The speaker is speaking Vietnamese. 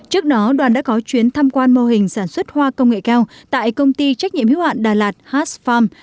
trước đó đoàn đã có chuyến thăm quan mô hình sản xuất hoa công nghệ cao tại công ty trách nhiệm hiếu hạn đà lạt hatch farm